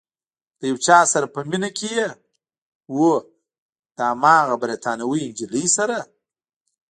له یو چا سره په مینه کې یې؟ هو، له هماغې بریتانوۍ نجلۍ سره؟